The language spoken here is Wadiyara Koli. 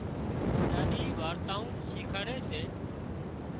ڏاڏِي وارتائون شيکاڙي سي